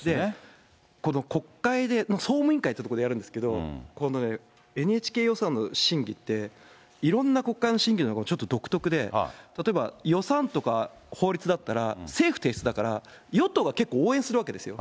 この国会で、総務委員会っていうところでやるんですけど、ＮＨＫ予算の審議って、いろんな国会の審議よりちょっと独特で、例えば予算とか法律だったら政府提出だから、与党が結構応援するわけですよ。